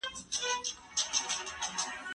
زه به سبا د کتابتون کتابونه ولوستم؟!